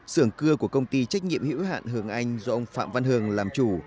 sưởng cưa của công ty trách nhiệm hữu hạn hường anh do ông phạm văn hường làm chủ